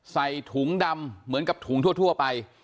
ใส่ถุงดำเหมือนกับถุงทั่วไป